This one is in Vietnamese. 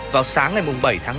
vào sáng ngày bảy tháng năm